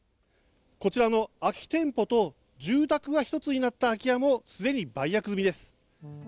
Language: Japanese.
こちらの空き店舗と住宅が一つになった空き家も既に売約済みです。